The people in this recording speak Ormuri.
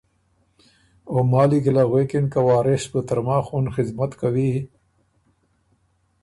او مالی کی له غوېکِن که وارث بُو ترماخ اُن خدمت کوی،